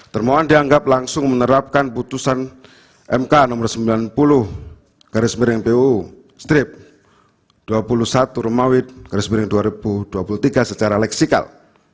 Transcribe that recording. termohon dianggap langsung menerapkan putusan mk nomor sembilan puluh garis miring pu strip dua puluh satu rumawit garis miring dua ribu dua puluh tiga secara leksikal